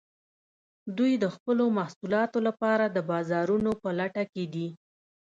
دوی د خپلو محصولاتو لپاره د بازارونو په لټه کې دي